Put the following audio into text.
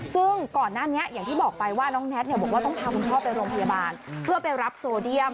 ซึ่งก่อนหน้านี้อย่างที่บอกไปว่าน้องแน็ตบอกว่าต้องพาคุณพ่อไปโรงพยาบาลเพื่อไปรับโซเดียม